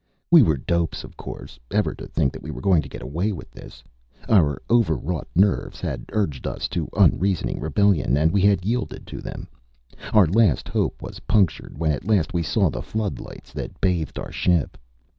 We were dopes, of course, ever to think that we were going to get away with this. Our overwrought nerves had urged us to unreasoning rebellion, and we had yielded to them. Our last hope was punctured when at last we saw the flood lights that bathed our ship.